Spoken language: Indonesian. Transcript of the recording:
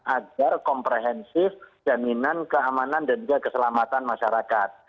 agar komprehensif jaminan keamanan dan juga keselamatan masyarakat